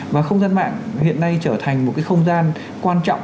và không gian mạng hiện nay trở thành một cái không gian quan trọng